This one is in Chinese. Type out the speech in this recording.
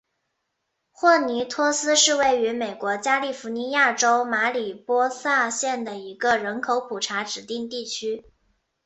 霍尼托斯是位于美国加利福尼亚州马里波萨县的一个人口普查指定地区。